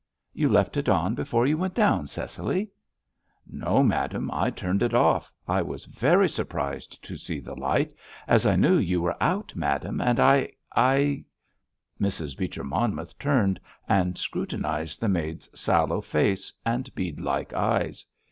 "You left it on before you went down, Cecily!" "No, madame, I turned it off. I was very surprised to see the light, as I knew you were out, madame, and I—I——" Mrs. Beecher Monmouth turned and scrutinised the maid's sallow face and bead like eyes.